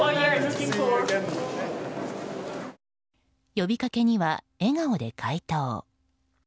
呼びかけには笑顔で回答。